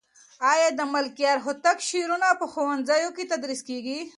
آیا د ملکیار هوتک شعرونه په ښوونځیو کې تدریس کېږي؟